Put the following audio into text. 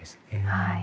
はい。